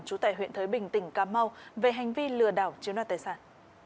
chú tài huyện thới bình tỉnh cà mau về hành vi lừa đảo chiếm đoạt tài sản